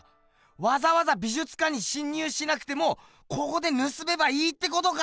わざわざ美術館に侵入しなくてもここでぬすめばいいってことか！